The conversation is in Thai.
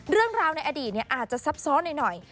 เรื่องราวในอดีตอาจจะซับซ้อนหน่อย